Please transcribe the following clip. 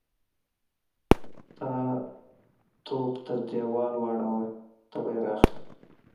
_تا توپ تر دېوال واړاوه، ته به يې را اخلې.